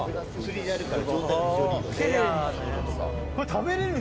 食べれる？